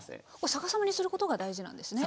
逆さまにすることが大事なんですね。